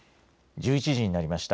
１１時になりました。